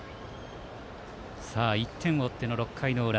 １点を追っての６回の裏。